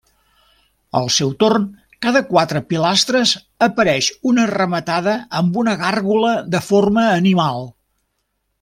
Al seu torn, cada quatre pilastres, apareix una rematada amb una gàrgola de forma animal.